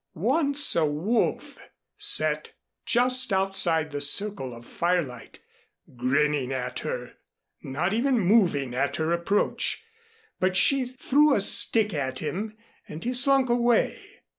Once a wolf sat just outside the circle of firelight grinning at her, not even moving at her approach, but she threw a stick at him and he slunk away.